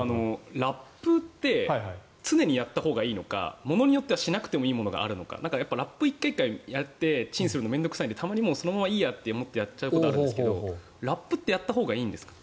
ラップって常にやったほうがいいのか物によってはしなくてもいいものがあるのかラップを１回１回やってチンするのが面倒臭いのでたまにそのままいいやと思ってやっちゃうことがあるんですがラップってやったほうがいいんですか。